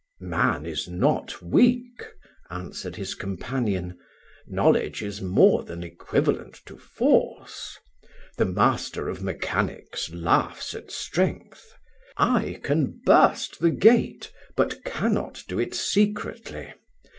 "Man is not weak," answered his companion; "knowledge is more than equivalent to force. The master of mechanics laughs at strength. I can burst the gate, but cannot do it secretly.